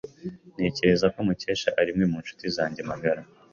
Ntekereza ko Mukesha ari umwe mu nshuti zanjye magara.